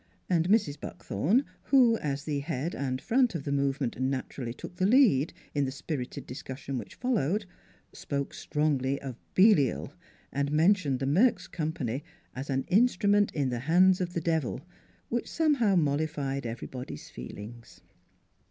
And Mrs. Buckthorn who as the head and front of the movement, naturally took the lead in the spirited discussion which followed spoke strongly of " Belial," and mentioned the Merks Company as " an instrument in the hands of the Devil," which somehow mollified every body's feelings.